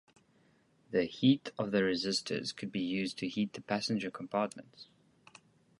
The heat of the resistors could be used to heat the passenger compartments.